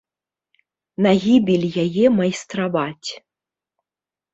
На гібель яе майстраваць.